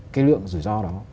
cái lượng rủi ro đó